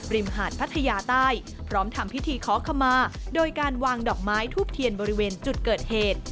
มหาดพัทยาใต้พร้อมทำพิธีขอขมาโดยการวางดอกไม้ทูบเทียนบริเวณจุดเกิดเหตุ